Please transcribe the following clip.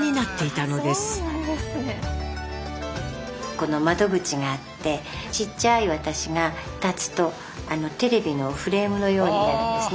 この窓口があってちっちゃい私が立つとテレビのフレームのようになるんですね。